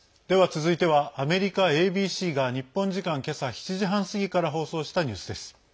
続いてはアメリカＡＢＣが日本時間けさ７時半過ぎから放送したニュースです。